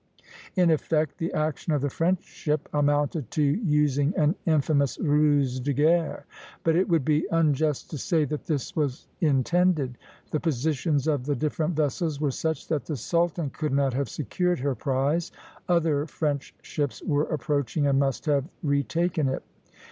In effect, the action of the French ship amounted to using an infamous ruse de guerre; but it would be unjust to say that this was intended. The positions of the different vessels were such that the "Sultan" could not have secured her prize; other French ships were approaching and must have retaken it.